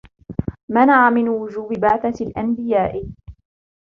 مَنَعَ مِنْ وُجُوبِ بَعْثَةِ الْأَنْبِيَاءِ